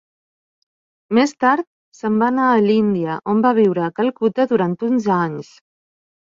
Més tard, se'n va anar a l'Índia on va viure a Calcuta durant uns anys.